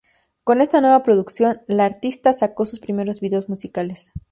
Con esta nueva producción la artista sacó sus primeros videos musicales.